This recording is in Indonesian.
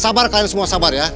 sabar kalian semua sabar ya